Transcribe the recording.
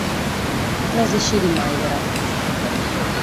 Non s’ischit mai però.